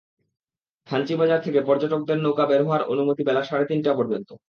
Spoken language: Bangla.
থানচি বাজার থেকে পর্যটকদের নৌকা বের হওয়ার অনুমতি বেলা সাড়ে তিনটা পর্যন্ত।